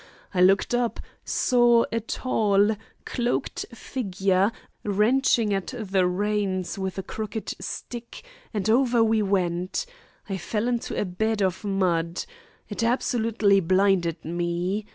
I looked up, saw a tall, cloaked figure wrenching at the reins with a crooked stick, and over we went. I fell into a bed of mud. It absolutely blinded me.